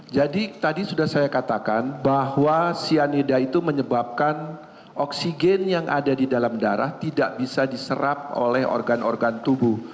jadi tadi sudah saya katakan bahwa cyanida itu menyebabkan oksigen yang ada di dalam darah tidak bisa diserap oleh organ organ tubuh